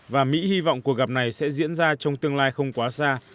và mỹ hy vọng cuộc gặp này sẽ diễn ra trong tương lai không quá xa